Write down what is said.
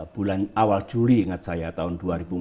bulan awal juli ingat saya tahun dua ribu empat belas